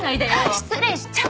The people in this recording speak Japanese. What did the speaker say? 失礼しちゃう！